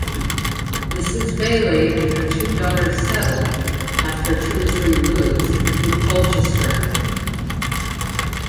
Mrs Baillie and her daughters settled, after two or three moves, in Colchester.